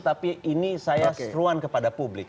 tapi ini saya seruan kepada publik